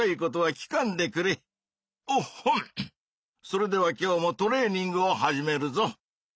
それでは今日もトレーニングを始めるぞ！